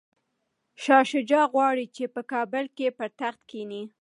شاه شجاع غواړي چي په کابل کي پر تخت کښیني.